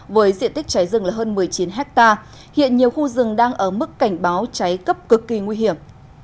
với diện tích cháy rừng là hơn một mươi chín hectare hiện nhiều khu rừng đang ở mức cảnh báo cháy cấp cực kỳ nguy hiểm